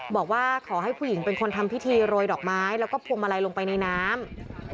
บอกว่าขอให้ผู้หญิงเป็นคนทำพิธีโรยดอกไม้แล้วก็พวงมาลัยลงไปในน้ำ